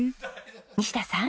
西田さん。